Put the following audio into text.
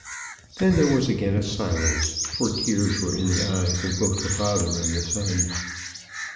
Then there was again a silence, for tears were in the eyes both of the father and of the son.